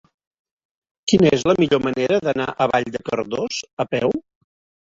Quina és la millor manera d'anar a Vall de Cardós a peu?